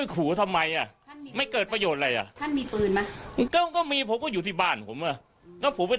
ก็ผมไม่เคยยุ่งเขาเลย